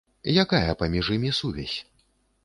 Якая паміж імі сувязь?